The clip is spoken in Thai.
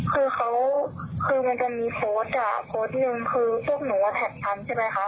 คือเค้าคือมันจะมีโพสต์อ่ะโพสต์หนึ่งคือตัวปนุกว่าแท็คคันใช่มั้ยคะ